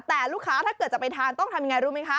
แต่ลูกค้าถ้าเกิดจะไปทานต้องทำยังไงรู้ไหมคะ